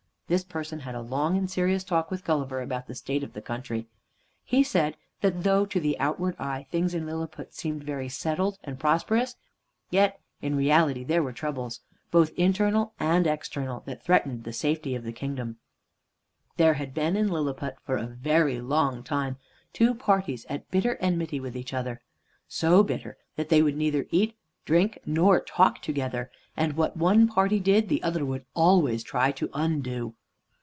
This person had a long and serious talk with Gulliver about the state of the country. He said that though to the outward eye things in Lilliput seemed very settled and prosperous, yet in reality there were troubles, both internal and external, that threatened the safety of the kingdom. There had been in Lilliput for a very long time two parties at bitter enmity with each other, so bitter that they would neither eat, drink, nor talk together, and what one party did, the other would always try to undo.